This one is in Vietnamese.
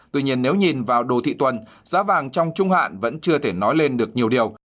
tuy nhiên nếu nhìn vào đồ thị tuần giá vàng trong trung hạn vẫn chưa thể nói lên được nhiều điều